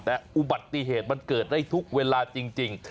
แต่อุบัติเหตุมันเกิดได้ทุกเวลาจริง